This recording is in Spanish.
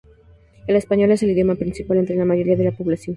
El español es el idioma principal entre la mayoría de la población.